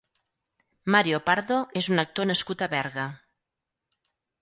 Mario Pardo és un actor nascut a Berga.